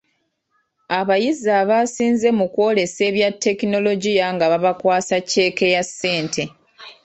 Abayizi abaasinze mu kwolesa ebya ttekinologiya nga babakwasa cceeke ya ssente.